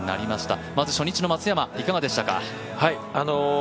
まず初日の松山、いかがでしたか。